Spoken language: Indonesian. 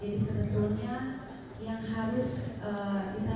jadi sebetulnya yang harus ditanyakan